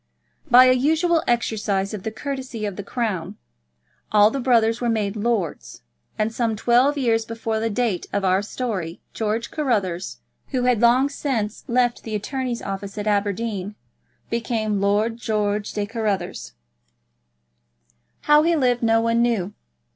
By a usual exercise of the courtesy of the Crown, all the brothers were made lords, and some twelve years before the date of our story George Carruthers, who had long since left the attorney's office at Aberdeen, became Lord George de Bruce Carruthers. How he lived no one knew.